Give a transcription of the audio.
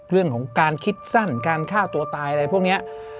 เรื่องของการคิดสั้นการฆ่าตัวตายอะไรพวกนี้